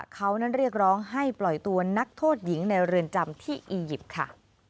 เขานั้นเรียกร้องให้ปล่อยตัวนักโทษหญิงในเรือนจำที่อียิปต์ค่ะ